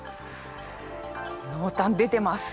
濃淡出てます。